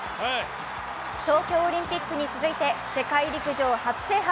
東京オリンピックに続いて世界陸上初制覇。